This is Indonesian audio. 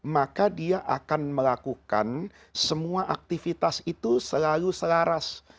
maka dia akan melakukan semua aktivitas itu selalu selaras